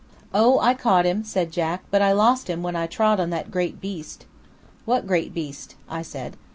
"Oh, I caught him," said Jack; "but I lost him when I trod on that great beast." "What great beast?" I said.